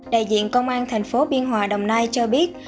đại diện công an thành phố biên hòa đồng nai cho biết